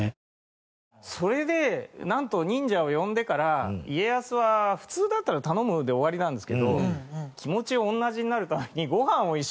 それでなんと忍者を呼んでから家康は普通だったら頼むで終わりなんですけど気持ちを同じになるために。